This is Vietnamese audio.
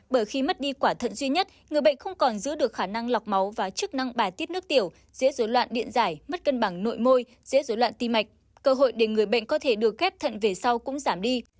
bằng nội môi dễ dối loạn tim mạch cơ hội để người bệnh có thể được ghép thận về sau cũng giảm đi